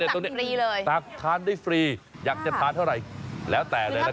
ตรงนี้ตักได้ฟรีเลยอยากจะทานเท่าไรแล้วแต่เลยละกัน